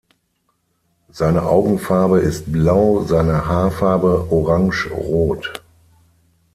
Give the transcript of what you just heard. Seine Augenfarbe ist blau, seine Haarfarbe orange-rot.